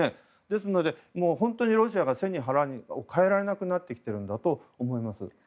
ですのでロシアは背に腹を代えられなくなってきてるんだと思います。